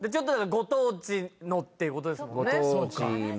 ご当地のっていうことですもんね